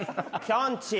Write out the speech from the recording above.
きょんちぃ。